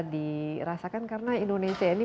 dirasakan karena indonesia ini